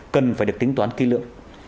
cần phải được tính toán kỳ lượng